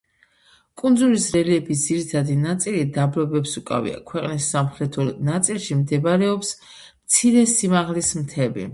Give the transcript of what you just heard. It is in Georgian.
კუნძულის რელიეფის ძირითადი ნაწილი დაბლობებს უკავია, ქვეყნის სამხრეთულ ნაწილში მდებარეობს მცირე სიმაღლის მთები.